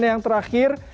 dan yang terakhir